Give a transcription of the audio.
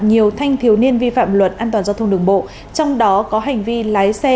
nhiều thanh thiếu niên vi phạm luật an toàn giao thông đường bộ trong đó có hành vi lái xe